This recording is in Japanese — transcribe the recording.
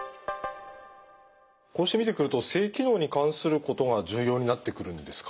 こうして見てくると性機能に関することが重要になってくるんですか？